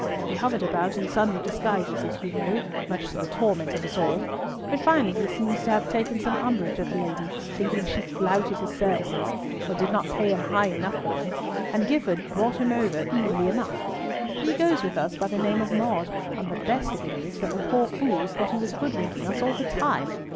He hovered about in sundry disguises, as you know, much to the torment of us all; but finally he seems to have taken some umbrage at the lady, thinking she flouted his services, or did not pay him high enough for them, and Gifford bought him over easily enough; but he goes with us by the name of Maude, and the best of it is that the poor fools thought he was hoodwinking us all the time.